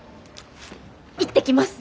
行ってきます。